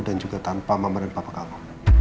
dan juga tanpa mama dan papa kamu